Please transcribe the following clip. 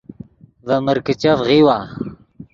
ڤے مرکیچف غیؤوا